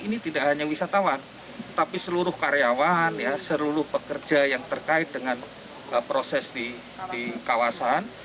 ini tidak hanya wisatawan tapi seluruh karyawan seluruh pekerja yang terkait dengan proses di kawasan